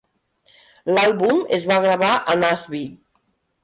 L'àlbum es va gravar a Nashville.